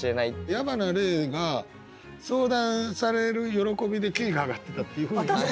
矢花黎が相談される喜びでキーが上がってたっていうふうにね。